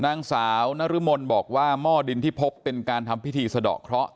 นางสาวนรมนบอกว่าหม้อดินที่พบเป็นการทำพิธีสะดอกเคราะห